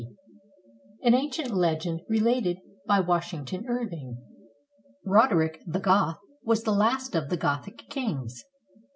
D.] .\N .\XCrEXT LEGEND RELATED BY WASHINGTON IRVTNG [Roderick the Goth was the last of the Gothic kings.